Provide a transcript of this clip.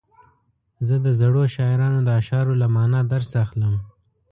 زه د زړو شاعرانو د اشعارو له معنا درس اخلم.